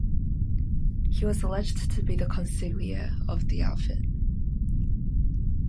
He was alleged to be the Consigliere of the Outfit.